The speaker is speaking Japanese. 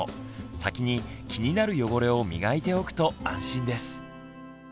先に気になる汚れを磨いておくと安心です。